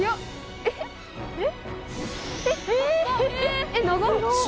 えっ？えっ？